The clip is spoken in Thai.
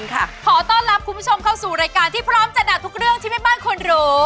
ขอต้อนรับคุณผู้ชมเข้าสู่รายการที่พร้อมจัดหนักทุกเรื่องที่แม่บ้านควรรู้